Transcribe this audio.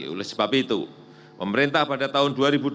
oleh sebab itu pemerintah pada tahun dua ribu dua puluh